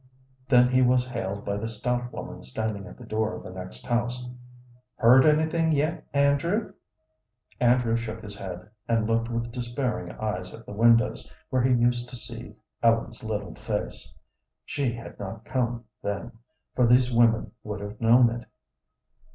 Then he was hailed by the stout woman standing at the door of the next house. "Heard anything yet, Andrew?" Andrew shook his head, and looked with despairing eyes at the windows where he used to see Ellen's little face. She had not come, then, for these women would have known it.